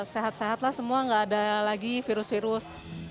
sehat sehat lah semua nggak ada lagi virus virus